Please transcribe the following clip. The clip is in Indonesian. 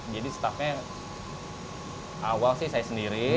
jadi staff nya awal sih saya sendiri